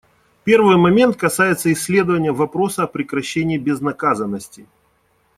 Первый момент касается исследования вопроса о прекращении безнаказанности.